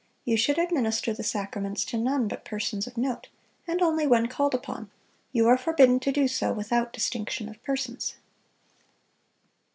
You should administer the sacraments to none but persons of note, and only when called upon; you are forbidden to do so without distinction of persons."